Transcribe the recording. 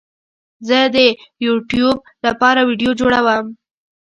زه د یوټیوب لپاره ویډیو جوړوم